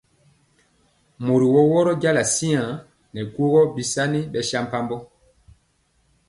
Mɔri wɔro wɔro jala siaŋg nɛ aguógó bisaŋi bɛsampabɔ.